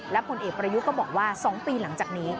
ผลเอกประยุทธ์ก็บอกว่า๒ปีหลังจากนี้